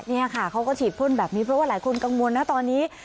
นี่ค่ะเขาก็ฉีดพ่นแบบนี้เพราะว่าหลายคนกังวลนะตอนนี้